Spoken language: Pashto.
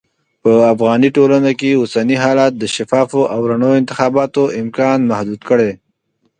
په افغاني ټولنه کې اوسني حالات د شفافو او رڼو انتخاباتو امکان محدود کړی.